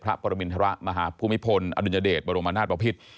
พระปรมิณฐระมหาภูมิพลอดุญเดชบรมนาฏประพิษ